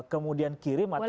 kemudian kirim atau apa